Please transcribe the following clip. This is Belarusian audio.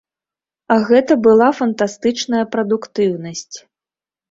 Гэта была фантастычная прадуктыўнасць.